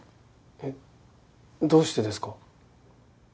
えっどうしてですか？